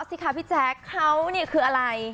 สิคะพี่แจ๊คเขานี่คืออะไร